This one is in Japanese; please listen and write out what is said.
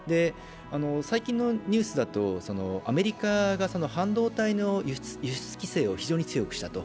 最近のニュースだと、アメリカが半導体の輸出規制を非常に強くした。